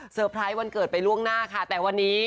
ไพรส์วันเกิดไปล่วงหน้าค่ะแต่วันนี้